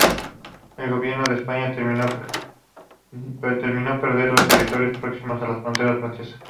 El gobierno de España temió perder los territorios próximos a la frontera francesa.